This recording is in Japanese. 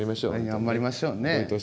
頑張りましょうね。